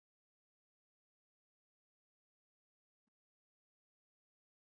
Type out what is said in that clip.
meli ya titanic ilifika karibu na newfoundland